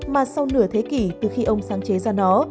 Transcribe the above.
mà sau nửa thế kỷ từ khi ông sáng chế ra nó